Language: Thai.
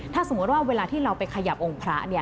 ถ้าสมมุติว่าเวลาที่เราไปขยับองค์พระ